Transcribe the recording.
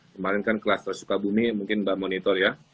kemarin kan kluster sukabumi mungkin mbak monitor ya